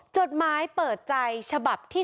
จดหมายเปิดใจฉบับที่๓